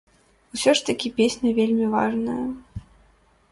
Усё ж такі песня вельмі важная.